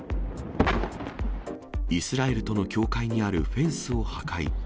イスラエルとの境界にあるフェンスを破壊。